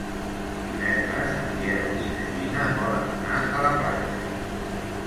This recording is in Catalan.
Divendres en Biel i na Gina volen anar a la platja.